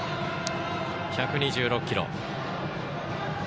１２６キロ。